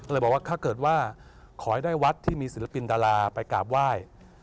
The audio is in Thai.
บอกว่าถ้าเกิดว่าขอให้ได้วัดที่มีศิลปินดาราไปกราบไหว้